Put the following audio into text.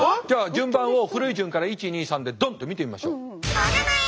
じゃあ順番を古い順から１２３でドンッと見てみましょう。